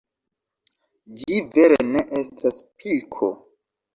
Ĝi vere ne estas pilko.